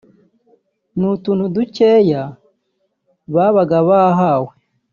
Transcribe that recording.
ni utuntu dukeya babaga bahawe